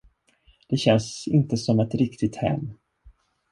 Det känns inte som ett riktigt hem.